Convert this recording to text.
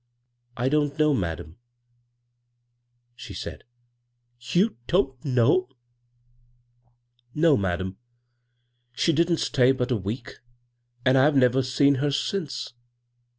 " I don't know, madam," she said. '* You don't know /"" No, madam. She didn't stay but a we^ and I've never seen her since."